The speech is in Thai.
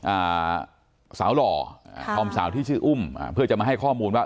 อ่าสาวหล่ออ่าธอมสาวที่ชื่ออุ้มอ่าเพื่อจะมาให้ข้อมูลว่า